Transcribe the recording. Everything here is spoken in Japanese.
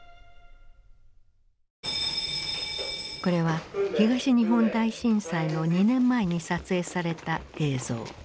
これは東日本大震災の２年前に撮影された映像。